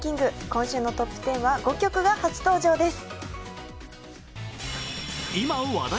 今週のトップ１０は５曲が初登場です